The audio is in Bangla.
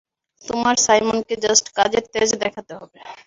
তোমার সাইমনকে জাস্ট কাজের তেজ দেখাতে হবে।